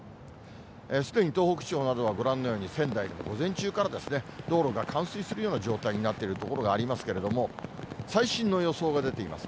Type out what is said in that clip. すでに東北地方などはご覧のように仙台でも午前中から道路が冠水するような状態になっている所がありますけれども、最新の予想が出ています。